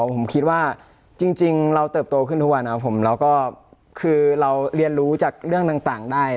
ผมคิดว่าจริงเราเติบโตขึ้นทุกวันนะครับผมแล้วก็คือเราเรียนรู้จากเรื่องต่างได้